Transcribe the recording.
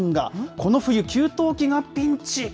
この冬、給湯器がピンチ！